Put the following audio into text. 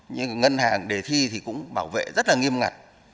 nhưng ngân hàng để thi thì cũng bảo vệ rất nghiêm ngặt